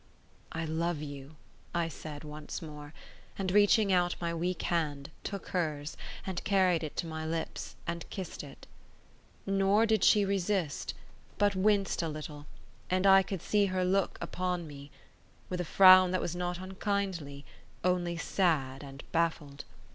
"I love you," I said once more; and reaching out my weak hand, took hers, and carried it to my lips, and kissed it. Nor did she resist, but winced a little; and I could see her look upon me with a frown that was not unkindly, only sad and baffled.